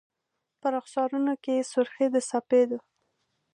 په رخسارونو کي سر خې د سپید و